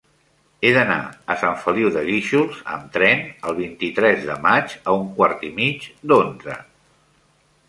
He d'anar a Sant Feliu de Guíxols amb tren el vint-i-tres de maig a un quart i mig d'onze.